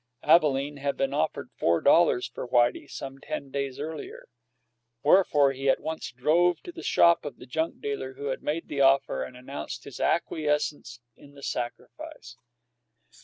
Abalene had been offered four dollars for Whitey some ten days earlier; wherefore he at once drove to the shop of the junk dealer who had made the offer and announced his acquiescence in the sacrifice.